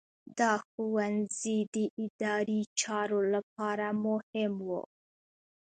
دا ښوونځي د اداري چارو لپاره مهم وو.